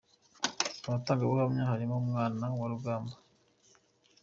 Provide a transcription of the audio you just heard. Mu batangabuhamya harimo n’umwana wa Rugamba.